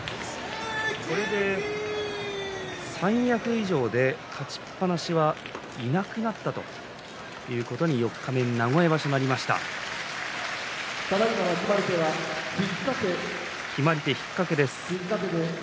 これで三役以上で勝ちっぱなしはいなくなったということになります四日目、名古屋場所決まり手、引っ掛けです。